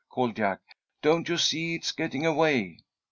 called Jack. "Don't you see it's getting away?"